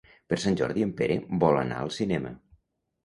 Per Sant Jordi en Pere vol anar al cinema.